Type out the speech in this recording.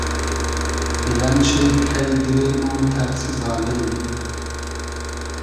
بیلئن شید کݷ دیرې مۉ تئرسی زالیم